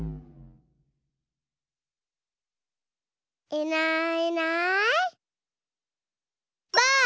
いないいないばあっ！